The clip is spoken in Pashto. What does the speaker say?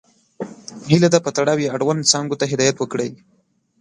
هیله ده په تړاو یې اړوند څانګو ته هدایت وکړئ.